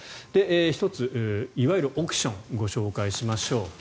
１つ、いわゆる億ションご紹介しましょう。